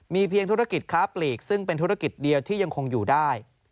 เพียงธุรกิจค้าปลีกซึ่งเป็นธุรกิจเดียวที่ยังคงอยู่ได้